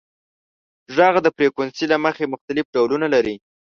• ږغ د فریکونسۍ له مخې مختلف ډولونه لري.